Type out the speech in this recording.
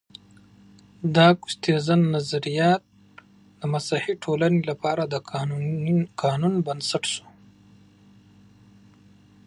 د اګوستين نظريات د مسيحي ټولنو لپاره د قانون بنسټ سو.